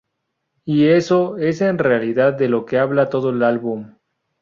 Y eso es en realidad de lo que habla todo el álbum".